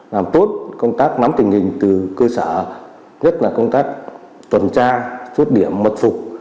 làm tốt công tác nắm tình hình từ cơ sở nhất là công tác tuần tra chốt điểm mật phục